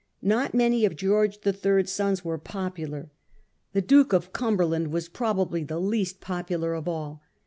Not many of George III.'s sons were popular ; the Duke of Cum berland was probably the least popular of all.